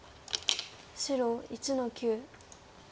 白１の九。